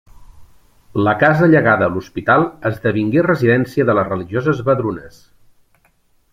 La casa llegada a l’Hospital esdevingué residència de les religioses Vedrunes.